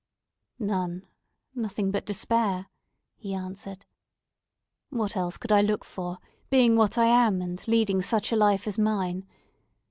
"None—nothing but despair!" he answered. "What else could I look for, being what I am, and leading such a life as mine?